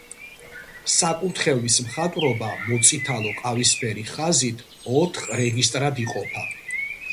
საკურთხევლის მხატვრობა მოწითალო-ყავისფერი ხაზით ოთხ რეგისტრად იყოფა.